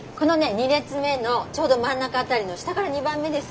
２列目のちょうど真ん中辺りの下から２番目です。